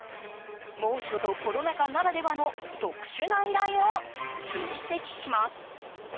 猛暑とコロナ禍ならではの特殊な依頼を追跡します。